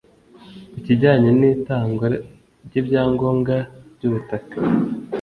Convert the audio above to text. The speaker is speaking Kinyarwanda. Ku kijyanye n’itangwa ry’ibyangombwa by’ubutaka